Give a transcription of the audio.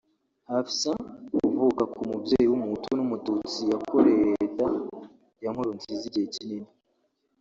Hafsa uvuka k’umubyeyi w’umuhutu n’umututsi yakoreye leta ya Nkurunziza igihe kinini